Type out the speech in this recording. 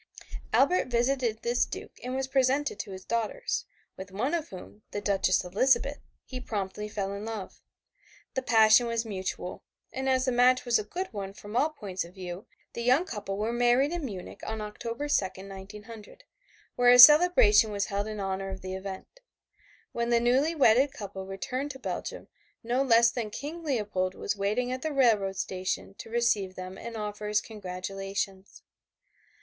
Albert visited this Duke and was presented to his daughters, with one of whom, the Duchess Elizabeth, he promptly fell in love. The passion was mutual, and as the match was a good one from all points of view the young couple were married in Munich on October 2, 1900, where a celebration was held in honor of the event. When the newly wedded couple returned to Belgium no one less than King Leopold was waiting at the railroad station to receive them and offer his congratulations.